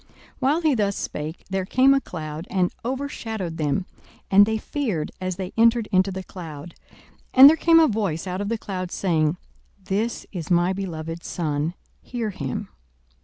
42:009:034 While he thus spake, there came a cloud, and overshadowed them: and they feared as they entered into the cloud. 42:009:035 And there came a voice out of the cloud, saying, This is my beloved Son: hear him.